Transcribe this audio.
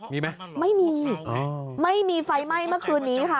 มีไหมไม่มีไม่มีไฟไหม้เมื่อคืนนี้ค่ะ